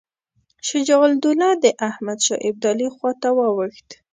شجاع الدوله د احمدشاه ابدالي خواته واوښت.